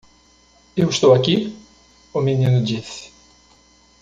"Eu estou aqui?" o menino disse.